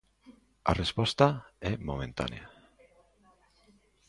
A resposta é momentánea.